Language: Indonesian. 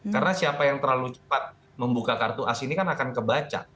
karena siapa yang terlalu cepat membuka kartu as ini kan akan kebaca